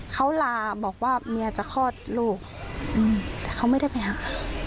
เขาลาบอกว่าเมียจะคลอดลูกแต่เขาไม่ได้ไปหา